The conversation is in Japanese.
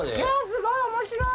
すごい面白い。